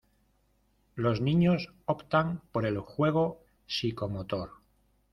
Los niños optan por el juego psicomotor.